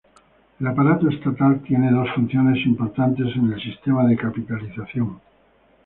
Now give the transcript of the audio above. El aparato estatal tiene dos funciones importantes en el sistema de capitalización.